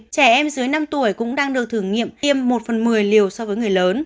trẻ em dưới năm tuổi cũng đang được thử nghiệm tiêm một phần mười liều so với người lớn